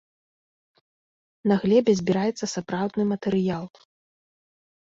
На глебе збіраецца сапраўдны матэрыял.